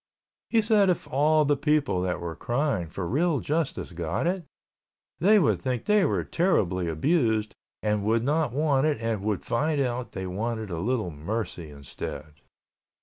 He said if all the people that were crying for real justice got it, they would think they were terribly abused and would not want it and would find out they wanted a little mercy instead.